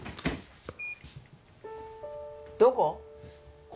どこ？